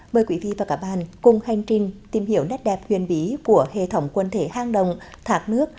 mời quý vị và các bạn cùng hành trình tìm hiểu nét đẹp huyền bí của hệ thống quân thể hang đồng thạc nước